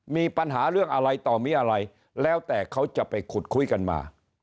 มีปัญหาเรื่องอะไรต่อมีอะไรแล้วแต่เขาจะไปขุดคุยกันมา